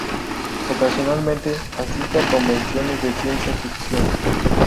Ocasionalmente asiste a convenciones de ciencia ficción.